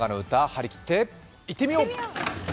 張り切っていってみよう。